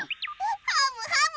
ハムハム！